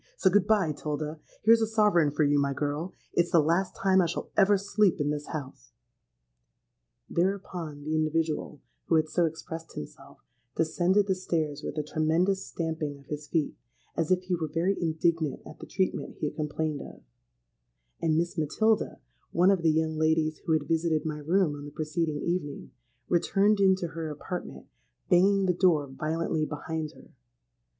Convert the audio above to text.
So good bye, 'Tilda. Here's a sovereign for you, my girl. It's the last time I shall ever sleep in this house.'—Thereupon the individual, who had so expressed himself, descended the stairs with a tremendous stamping of his feet, as if he were very indignant at the treatment he had complained of; and Miss Matilda—one of the young ladies who had visited in my room on the preceding evening—returned into her apartment, banging the door violently behind her.